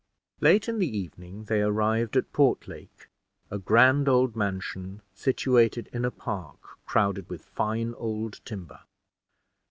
Late in the evening they arrived at Portlake, a grand old mansion situated in a park crowded with fine old timber.